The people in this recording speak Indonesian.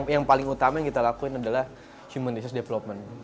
yang paling utama yang kita lakuin adalah human deses development